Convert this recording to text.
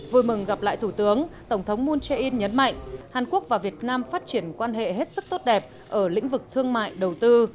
vui mừng gặp lại thủ tướng tổng thống moon jae in nhấn mạnh hàn quốc và việt nam phát triển quan hệ hết sức tốt đẹp ở lĩnh vực thương mại đầu tư